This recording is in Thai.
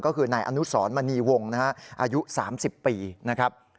ก็คือนายอนุสรมณีวงนะฮะอายุ๓๐ปีนะครับ